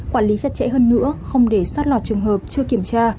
quản lý sát trễ hơn nữa không để xót lọt trường hợp chưa kiểm tra